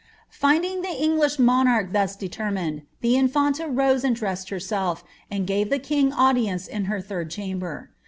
Finding the English monarch thus determined, the infanta rose and dressed herself, and gave the king audience in her tliird chamber.